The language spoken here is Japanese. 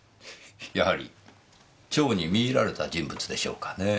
やはり蝶に魅入られた人物でしょうかねぇ。